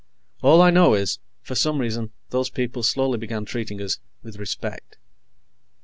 All I know is, for some reason those people slowly began treating us with respect.